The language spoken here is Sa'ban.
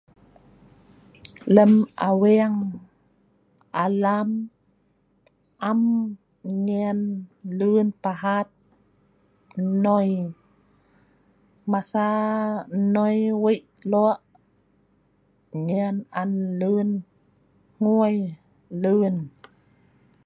Lem aweeng alam am nnyen luen pahat nnoi. Masa nnoi wei lue' nnyen an lun hngui luen.